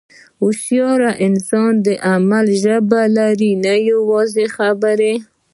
هوښیار انسان د عمل ژبه لري، نه یوازې خبرې.